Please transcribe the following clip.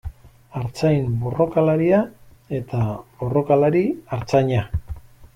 Artzain borrokalaria eta borrokalari artzaina.